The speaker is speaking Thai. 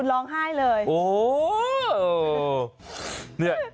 คุณร้องไห้เลย